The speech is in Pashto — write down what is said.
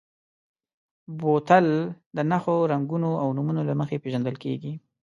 بوتل د نښو، رنګونو او نومونو له مخې پېژندل کېږي.